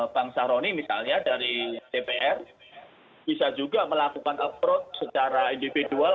bang sahroni misalnya dari dpr bisa juga melakukan approach secara individual